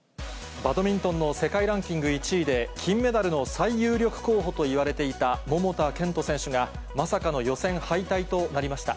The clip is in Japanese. バドミントンの世界ランキング１位で、金メダルの最有力候補といわれていた桃田賢斗選手が、まさかの予選敗退となりました。